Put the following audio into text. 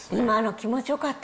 気持ちよかった。